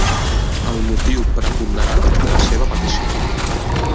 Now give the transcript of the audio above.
El motiu preponderant de la seva petició.